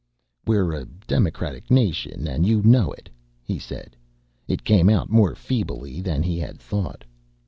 "We're a democratic nation and you know it," he said. It came out more feebly than he had thought.